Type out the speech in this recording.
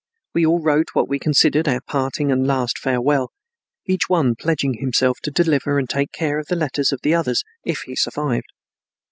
We all wrote what we considered our parting and last farewell, each one pledging himself to deliver and take care of the letters of the others if he survived.